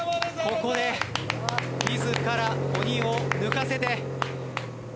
ここで自ら鬼を抜かせてリタイア。